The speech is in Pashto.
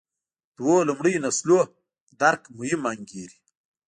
دوو لومړیو نسلونو درک مهم انګېري.